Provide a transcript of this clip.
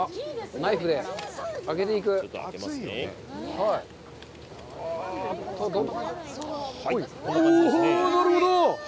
なるほど。